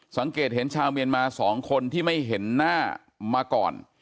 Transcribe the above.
สังเกตเห็นชาวเมียนมา๒คนที่ไม่เห็นหน้ามาก่อน